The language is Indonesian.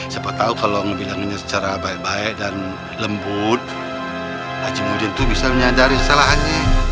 siapa tahu kalau ngomongnya secara baik baik dan lembut aji muda itu bisa menyadari salahannya